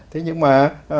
thế nhưng mà